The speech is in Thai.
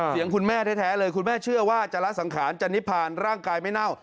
เสียงคุณแม่แท้เลยคุณแม่เชื่อว่าจราสังขารจะล่างกายแน่ว